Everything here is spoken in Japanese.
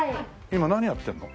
今何やってんの？